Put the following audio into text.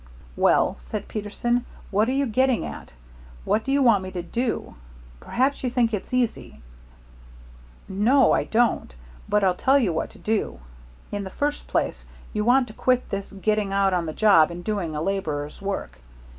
"Well," said Peterson, "what are you getting at? What do you want me to do? Perhaps you think it's easy." "No, I don't. But I'll tell you what to do. In the first place you want to quit this getting out on the job and doing a laborer's work.